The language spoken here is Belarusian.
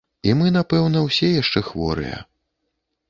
І мы, напэўна, усе яшчэ хворыя.